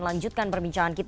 oke terima kasih